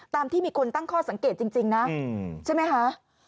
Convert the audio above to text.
ที่มีคนตั้งข้อสังเกตจริงนะใช่ไหมคะ